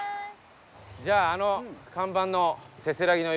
じゃああの看板のせせらぎの湯。